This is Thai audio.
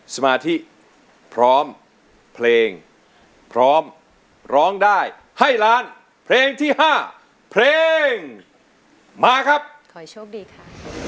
สมาธิพร้อมเพลงพร้อมร้องได้ให้ล้านเพลงที่ห้าเพลงมาครับขอโชคดีค่ะ